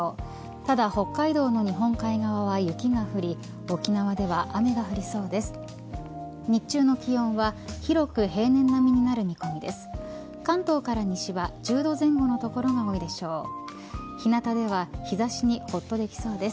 ただ北海道の日本海側は雪が降り沖縄では雨が降りそうです。